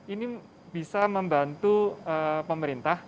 ini bisa membantu pemerintah